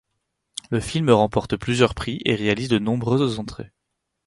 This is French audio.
Le film remporte plusieurs prix et réalise de nombreuses entrées.